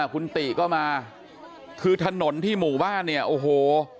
คุณติก็มาคือถนนที่หมู่บ้านเนี่ยโอ้โห